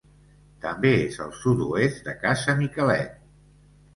També és al sud-oest de Casa Miquelet.